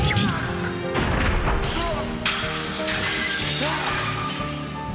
うわっ。